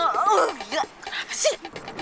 gila kenapa sih